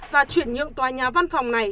và chuyển nhượng tòa nhà văn phòng này